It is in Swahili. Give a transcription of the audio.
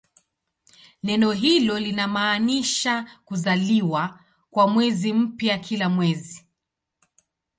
Neno hilo linamaanisha "kuzaliwa" kwa mwezi mpya kila mwezi.